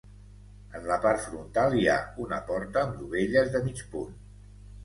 En la part frontal hi ha una porta amb dovelles de mig punt.